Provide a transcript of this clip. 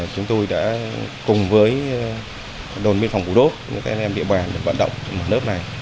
chúng tôi đã cùng với đồng biên phòng củ đốt các em em địa bàn vận động một lớp này